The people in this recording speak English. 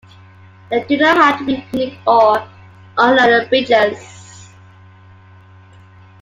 They do not have to be unique or unambiguous.